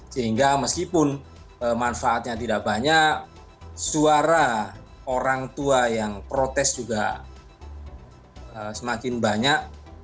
sehingga meskipun manfaatnya tidak banyak suara orang tua yang protes juga semakin banyak